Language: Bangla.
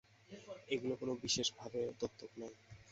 এগুলি কোন বিশেষ ভাবের দ্যোতক নয়।